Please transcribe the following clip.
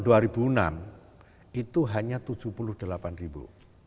tahun dua ribu enam itu hanya tujuh puluh delapan ribu